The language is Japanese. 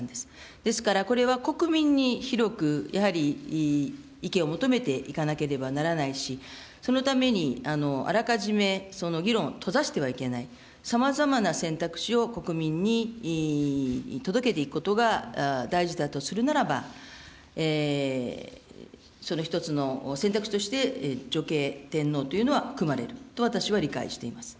ですから、これは国民に広く、やはり意見を求めていかなければならないし、そのために、あらかじめ議論を閉ざしてはいけない、さまざまな選択肢を国民に届けていくことが大事だとするならば、その一つの選択肢として、女系天皇というのはくまれると私は理解しています。